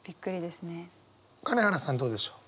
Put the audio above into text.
金原さんどうでしょう。